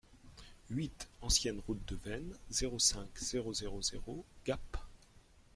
huit ancienne Route de Veynes, zéro cinq, zéro zéro zéro Gap